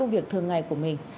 ngày của mình